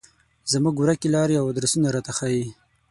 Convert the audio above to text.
زموږ ورکې لارې او ادرسونه راته ښيي.